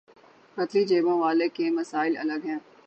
پتلی جیبوں والوں کے مسائل الگ ہیں۔